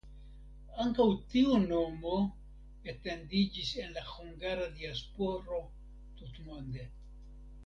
Ankaŭ tiu nomo etendiĝis en la hungara diasporo tutmonde.